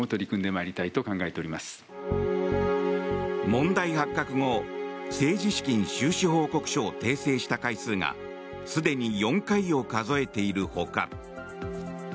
問題発覚後政治資金収支報告書を訂正した回数がすでに４回を数えているほか。